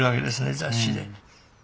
雑誌で。